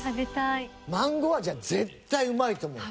マンゴー味は絶対うまいと思う。